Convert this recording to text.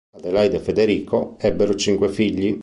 Adelaide e Federico ebbero cinque figli.